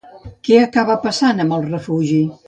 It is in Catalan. Què acaba passant amb el refugi?